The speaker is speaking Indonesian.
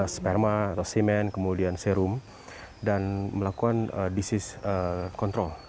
sperma atau semen kemudian serum dan melakukan disease control